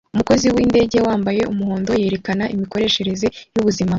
Umukozi windege yambaye umuhondo yerekana imikoreshereze yubuzima